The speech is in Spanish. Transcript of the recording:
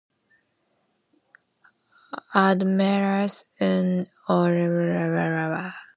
Además un oleoducto une la ciudad con los campos de petróleo del Cáucaso.